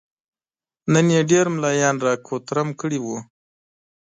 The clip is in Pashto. نن يې ډېر ملايان را کوترم کړي ول.